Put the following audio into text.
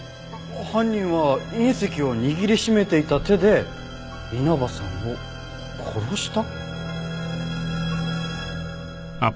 犯人は隕石を握り締めていた手で稲葉さんを殺した？